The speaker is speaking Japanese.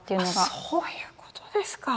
そういうことですか。